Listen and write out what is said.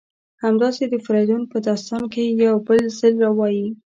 همداسې د فریدون په داستان کې یو بل ځل وایي: